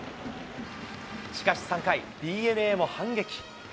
しかし３回、ＤｅＮＡも反撃。